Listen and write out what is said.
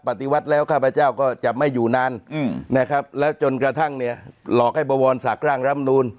ปฏิวัติแล้วข้าพเจ้าก็จะไม่อยู่นานนะครับแล้วจนกระทั่งเนี่ยหลอกให้บวรศักดิ์ร่างรำนูล